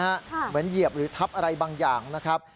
เหยียบหรือทับอะไรบางอย่างนะครับ